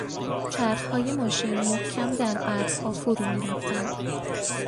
چرخهای ماشین محکم در برفها فرو میرفتند.